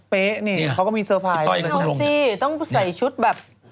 เป๊ะนี่เขาก็มีเซอร์ไพรส์เอาสิต้องใส่ชุดแบบ